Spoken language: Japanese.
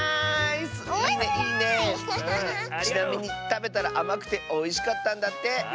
ちなみにたべたらあまくておいしかったんだって。